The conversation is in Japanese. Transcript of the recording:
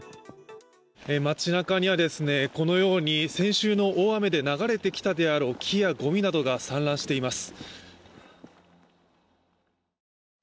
町なかにはこのように先週の大雨で流れてきたであろう木やごみなどが散乱しています。